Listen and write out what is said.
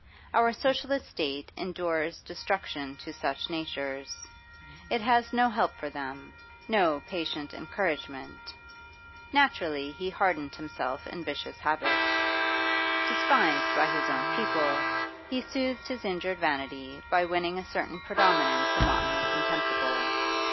Our social state ensures destruction to such natures; it has no help for them, no patient encouragement. Naturally he hardened himself in vicious habits. Despised by his own people, he soothed his injured vanity by winning a certain predominance among the contemptible.